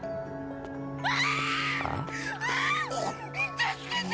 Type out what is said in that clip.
助けて！